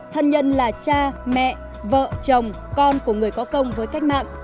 thân nhân là cha mẹ vợ chồng con của người có công với cách mạng